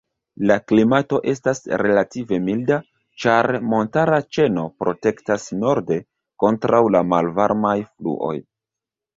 La klimato estas relative milda, ĉar montara ĉeno protektas norde kontraŭ la malvarmaj fluoj.